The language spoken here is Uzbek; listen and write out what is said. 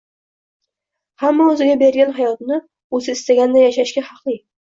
Hamma o’ziga berilgan hayotni o’zi istaganday yashashga haqli